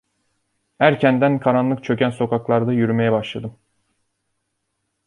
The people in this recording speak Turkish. Erkenden karanlık çöken sokaklarda yürümeye başladım.